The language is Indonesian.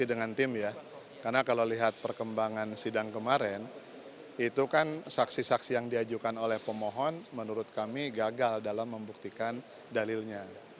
dengan tim ya karena kalau lihat perkembangan sidang kemarin itu kan saksi saksi yang diajukan oleh pemohon menurut kami gagal dalam membuktikan dalilnya